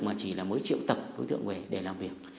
mà chỉ là mới triệu tập đối tượng về để làm việc